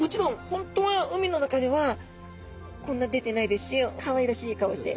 本当は海の中ではこんな出てないですしかわいらしい顔をして。